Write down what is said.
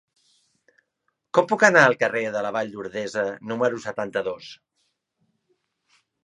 Com puc anar al carrer de la Vall d'Ordesa número setanta-dos?